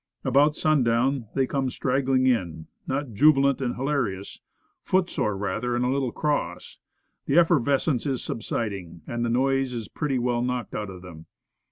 About sundown they come straggling in, not jubi lant and hilarious, footsore rather and a little cross. The effervescence is subsiding, and the noise is pretty well knocked out of them.